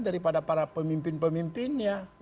daripada para pemimpin pemimpinnya